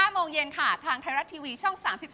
โมงเย็นค่ะทางไทยรัฐทีวีช่อง๓๒